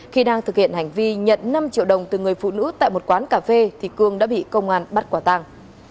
khi đang thực hiện hành vi nhận năm triệu đồng từ người phụ nữ tại một quán cà phê thì cương đã bị công an bắt quả tàng